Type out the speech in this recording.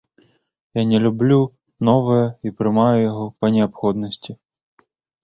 Я не люблю новае і прымаю яго па неабходнасці.